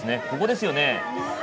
ここですよね。